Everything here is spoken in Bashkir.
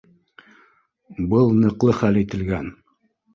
Был ныҡлы хәл ителгән